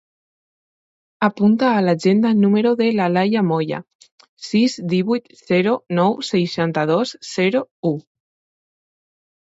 Apunta a l'agenda el número de l'Alaia Moya: sis, divuit, zero, nou, seixanta-dos, zero, u.